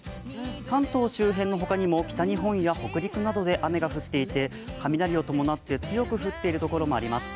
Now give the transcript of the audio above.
関東周辺の他にも北日本や北陸などで雨が降っていて、雷を伴って強く降っている所もあります。